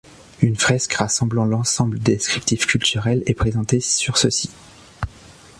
Une fresque rassemblant l'ensemble des descriptifs culturels est présentée sur ceux-ci.